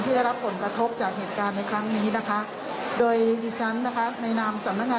ที่ได้รับผลกระทบจากเหตุการณ์ในครั้งนี้นะคะโดยดิฉันนะคะ